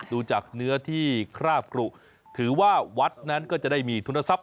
ดูจากเนื้อที่คราบกรุถือว่าวัดนั้นก็จะได้มีทุนทรัพย